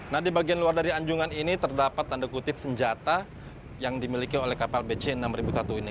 nah di bagian luar dari anjungan ini terdapat tanda kutip senjata yang dimiliki oleh kapal bc enam ribu satu ini